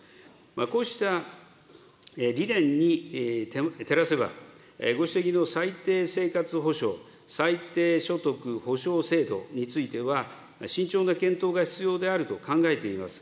こうした理念に照らせば、ご指摘の最低生活保障、最低所得保障制度については、慎重な検討が必要であると考えています。